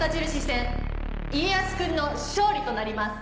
戦家康君の勝利となります。